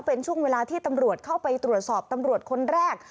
เป็นช่วงเวลาที่ตำรวจเข้าไปตรวจสอบตำรวจคนแรก